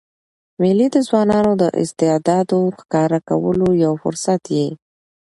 مېلې د ځوانانو د استعدادو ښکاره کولو یو فرصت يي.